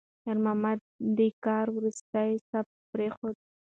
خیر محمد د کار وروستی ثبوت پرېښود.